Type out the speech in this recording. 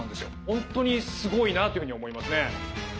本当にすごいなというふうに思いますね。